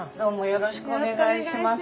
よろしくお願いします。